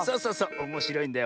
おもしろいんだよ。